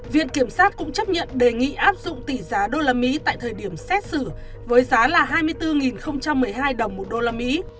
viện kiểm sát cũng chấp nhận đề nghị áp dụng tỷ giá đô la mỹ tại thời điểm xét xử với giá là hai mươi bốn một mươi hai đồng một đô la mỹ